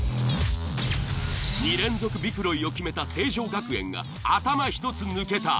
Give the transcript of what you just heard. ２連続ビクロイを決めた成城学園が頭一つ抜けた。